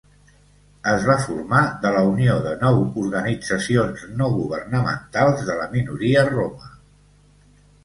Es va formar de la unió de nou organitzacions no-governamentals de la minoria roma.